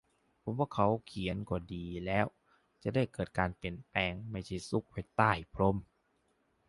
ผมว่าเขาเขียนก็ดีแล้ว จะได้เกิดการเปลี่ยนแปลง ไม่ใช่ซุกไว้ใต้พรม